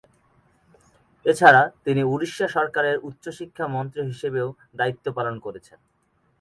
এছাড়া, তিনি উড়িষ্যা সরকারের উচ্চশিক্ষা মন্ত্রী হিসেবেও দায়িত্ব পালন করেছেন।